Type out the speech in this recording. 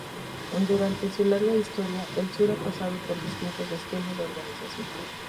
Durante su larga historia, El Sur ha pasado por distintos esquemas de organización.